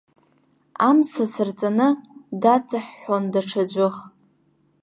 Амца ацраҵаны даҵаҳәҳәон даҽаӡәых.